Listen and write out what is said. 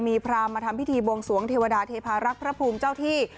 มีพรามมาทำพิธีบวงสวงเทวดาเทพารักษ์พระภูมิเจ้าที่